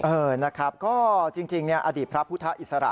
เออนะครับก็จริงอดีตพระพุทธอิสระ